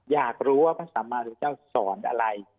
อยากรู้ว่าพระสมมาสุเจ้าจะสอนอะไร